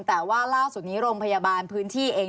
แต่ว่าล่าสุดนี้โรงพยาบาลพื้นที่เอง